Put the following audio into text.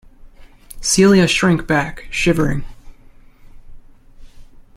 Celia shrank back, shivering.